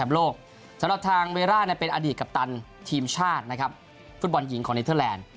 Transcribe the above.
สำหรับทางเวร่าเป็นอดีตกัปตันทีมชาติฟุตบอลหญิงของเนเทอร์แลนด์